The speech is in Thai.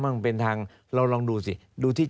มันเป็นทางเราลองดูสิดูที่